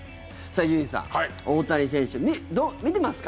伊集院さん、大谷選手見てますか？